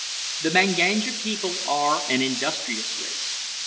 The Manganja people are an industrious race.